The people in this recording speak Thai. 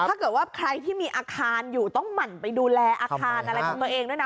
ถ้าเกิดว่าใครที่มีอาคารอยู่ต้องหมั่นไปดูแลอาคารอะไรของตัวเองด้วยนะ